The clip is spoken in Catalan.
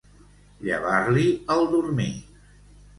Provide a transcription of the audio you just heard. Llevar-li el dormir.